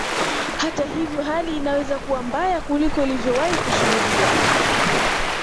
Hata ivyo hali inaweza kuwa mbaya kuliko ilivyowahi kushuhudiwa